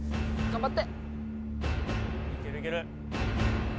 頑張って！